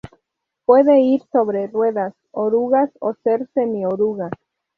Puede ir sobre ruedas, orugas o ser semioruga.